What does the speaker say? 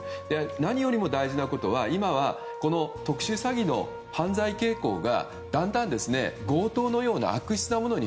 何より大事なことは、今は特殊詐欺の犯罪傾向がだんだんと強盗のような悪質なものに